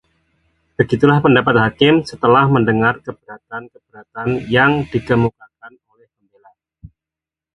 begitulah pendapat hakim setelah mendengar keberatan-keberatan yang dikemukakan oleh pembela